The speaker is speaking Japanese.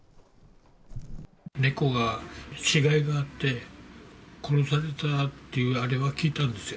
猫が、死骸があって、殺されたっていうあれは聞いたんですよ。